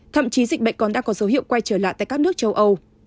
thậm chí dịch bệnh còn đang có dấu hiệu quay trở lại tại các nước châu âu